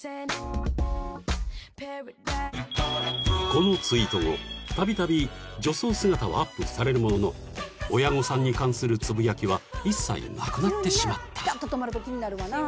［このツイート後たびたび女装姿はアップされるものの親御さんに関するつぶやきは一切なくなってしまった］